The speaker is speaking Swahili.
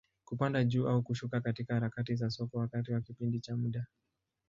Kupanda juu au kushuka katika harakati za soko, wakati wa kipindi cha muda.